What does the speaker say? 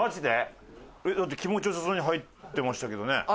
だって気持ちよさそうに入ってましたけどね。